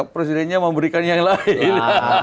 presidennya memberikan yang lain